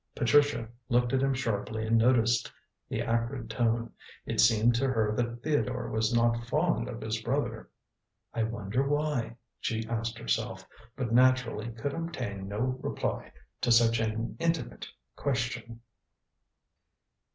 Patricia looked at him sharply and noticed the acrid tone. It seemed to her that Theodore was not fond of his brother. "I wonder why?" she asked herself, but naturally could obtain no reply to such an intimate question.